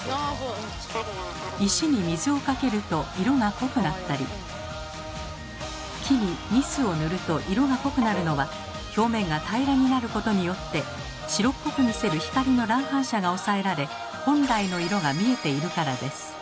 石に水をかけると色が濃くなったり木にニスを塗ると色が濃くなるのは表面が平らになることによって白っぽく見せる光の乱反射が抑えられ本来の色が見えているからです。